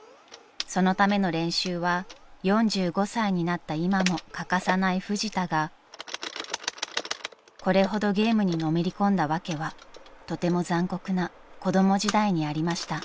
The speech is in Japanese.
［そのための練習は４５歳になった今も欠かさないフジタがこれほどゲームにのめり込んだ訳はとても残酷な子供時代にありました］